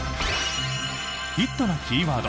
ヒットなキーワード。